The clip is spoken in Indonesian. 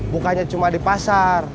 bukannya cuma di pasar